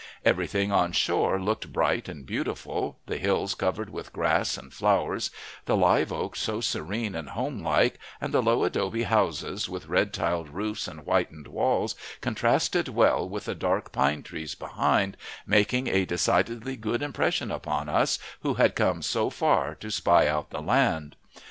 Every thing on shore looked bright and beautiful, the hills covered with grass and flowers, the live oaks so serene and homelike, and the low adobe houses, with red tiled roofs and whitened walls, contrasted well with the dark pine trees behind, making a decidedly good impression upon us who had come so far to spy out the land.